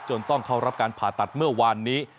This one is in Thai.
ต้องเข้ารับการผ่าตัดเมื่อวานนี้